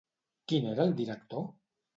Qui n'era el director?